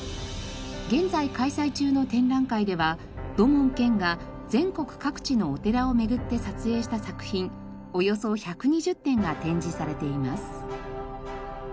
現在開催中の展覧会では土門拳が全国各地のお寺を巡って撮影した作品およそ１２０点が展示されています。